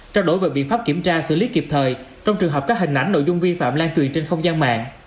trao đổi về biện pháp kiểm tra xử lý kịp thời trong trường hợp các hình ảnh nội dung vi phạm lan truyền trên không gian mạng